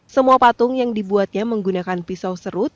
semua patung yang dibuatnya menggunakan pisau serut